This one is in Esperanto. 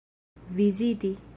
viziti